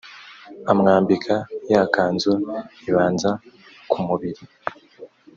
amwambika ya kanzu ibanza ku mubiri